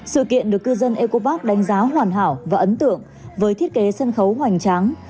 sự kiện được cư dân ecobark đánh giá hoàn hảo và ấn tượng với thiết kế sân khấu hoành tráng